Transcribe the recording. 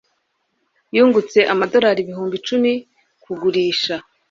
yungutse amadorari ibihumbi icumi kugurisha